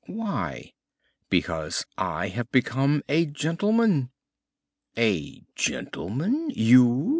"Why?" "Because I have become a gentleman." "A gentleman you!"